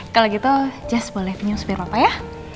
kalau gitu just boleh pinyus biar papa ya